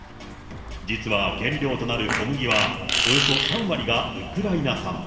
実は原料となる小麦は、およそ３割がウクライナ産。